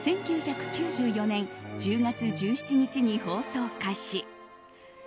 １９９４年１０月１７日に放送開始。